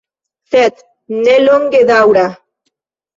Sed ne longedaŭra!